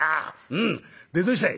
うんでどうしたい？」。